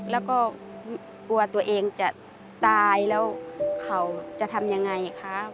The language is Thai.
แล้วก็กลัวตัวเองจะตายแล้วเขาจะทำยังไงคะ